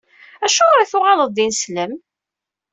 Acuɣeṛ i tuɣaleḍ d ineslem?